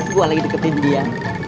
gue lagi deketin dia